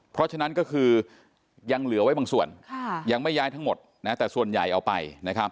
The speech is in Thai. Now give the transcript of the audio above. เพราะฉะนั้นก็คือยังเหลือไว้บางส่วนยังไม่ย้ายทั้งหมดนะแต่ส่วนใหญ่เอาไปนะครับ